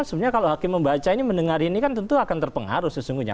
sebenarnya kalau hakim membaca ini mendengar ini kan tentu akan terpengaruh sesungguhnya